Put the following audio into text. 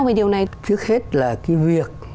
về điều này trước hết là cái việc